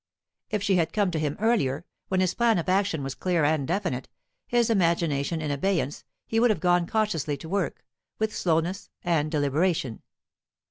If she had come to him earlier, when his plan of action was clear and definite, his imagination in abeyance, he would have gone cautiously to work, with slowness and deliberation.